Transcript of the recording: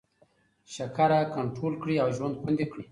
شکره کنټرول کړئ او ژوند خوندي کړئ.